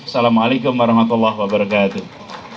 assalamualaikum warahmatullah wabarakatuh